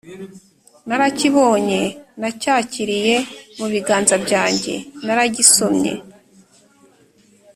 narakibonye, nacyakiriye mu biganza byanjye, naragisomye.